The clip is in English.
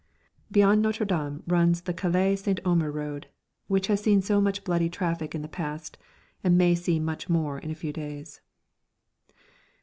Beyond Notre Dame runs the Calais St. Omer road which has seen so much bloody traffic in the past and may see so much more in a few days.